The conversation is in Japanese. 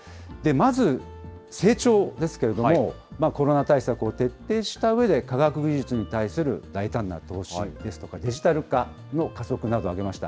まず、成長ですけれども、コロナ対策を徹底したうえで、科学技術に対する大胆な投資ですとか、デジタル化の加速などを挙げました。